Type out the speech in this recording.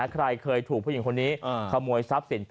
ใครเคยถูกผู้หญิงคนนี้